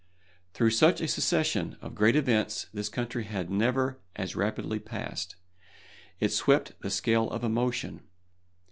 Through such a succession of great events this country had never as rapidly passed. It swept the scale of emotion.